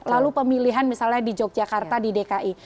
lalu pemilihan misalnya di yogyakarta di dki